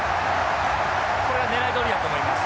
これはねらいどおりだと思います。